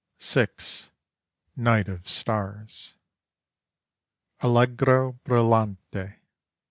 (6) NIGHT OF STARS _Allegro brillante.